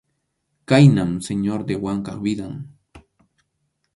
Khaynam Señor de Wankap vidan.